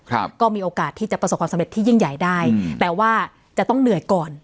ครับก็มีโอกาสที่จะประสบความสำเร็จที่ยิ่งใหญ่ได้อืมแต่ว่าจะต้องเหนื่อยก่อน